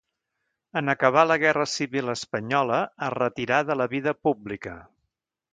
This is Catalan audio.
En acabar la guerra civil espanyola es retirà de la vida pública.